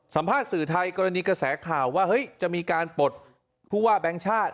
สัมภาษณ์สื่อไทยกรณีกระแสข่าวว่าจะมีการปลดผู้ว่าแบงค์ชาติ